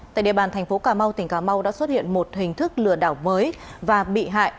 tại địa bàn thành phố cà mau tỉnh cà mau đã xuất hiện một hình thức lừa đảo mới và bị hại